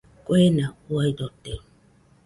Kuena uaidote.